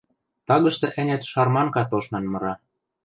Тагышты-ӓнят шарманка тошнан мыра